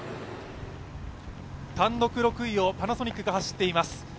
単独６位をパナソニックが走っています。